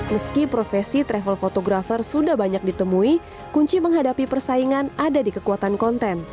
meski profesi travel photographer sudah banyak ditemui kunci menghadapi persaingan ada di kekuatan konten